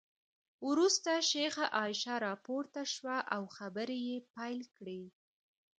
وروسته شیخه عایشه راپورته شوه او خبرې یې پیل کړې.